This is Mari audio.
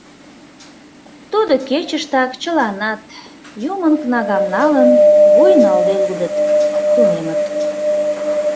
Тудо кечыштак чыланат, «юмын кнагам» налын, вуй налде лудыт, тунемыт...